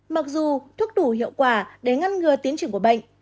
mặc dù thuốc đủ hiệu quả để ngăn ngừa tiến triển của bệnh